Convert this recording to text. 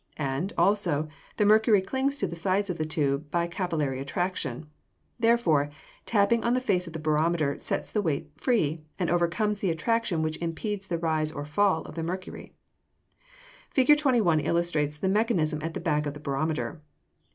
And, also, the mercury clings to the sides of the tube by capillary attraction; therefore, tapping on the face of the barometer sets the weight free, and overcomes the attraction which impedes the rise or fall of the mercury. Fig. 21 illustrates the mechanism at the back of the barometer.